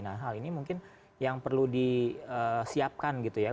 nah hal ini mungkin yang perlu disiapkan gitu ya